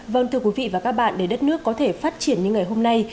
vâng thưa quý vị và các bạn để đất nước có thể phát triển như ngày hôm nay